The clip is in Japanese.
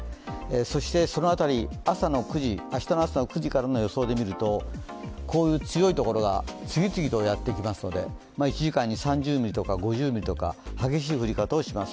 そしてその辺り、明日の朝の９時からの予想で見てみると、こういう強いところが次々とやってきますので１時間に３０ミリとか５０ミリとか激しい降り方をします。